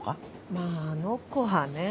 まぁあの子はね。